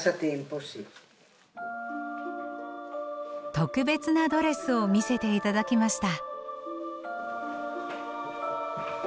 特別なドレスを見せて頂きました。